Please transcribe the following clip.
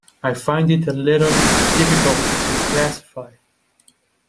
I find it a little difficult to classify.